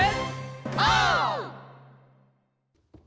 オー！